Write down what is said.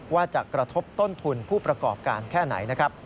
ว่าจะกระทบต้นทุนผู้ประกอบการแค่ไหนนะครับ